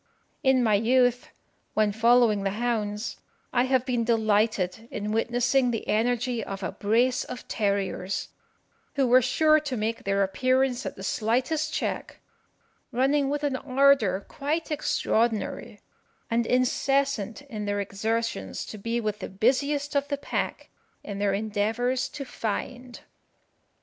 In my youth, when following the hounds, I have been delighted in witnessing the energy of a brace of terriers, who were sure to make their appearance at the slightest check, running with an ardour quite extraordinary, and incessant in their exertions to be with the busiest of the pack in their endeavours to find.